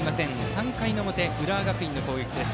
３回の表、浦和学院の攻撃です。